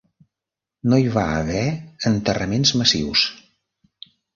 No hi va haver enterraments massius.